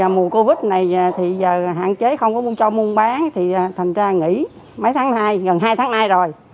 mùa covid này thì giờ hạn chế không có cho muôn bán thì thành ra nghỉ mấy tháng hai gần hai tháng hai rồi